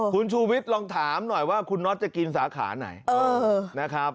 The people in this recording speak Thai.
คุณชูวิทย์ลองถามหน่อยว่าคุณน็อตจะกินสาขาไหนนะครับ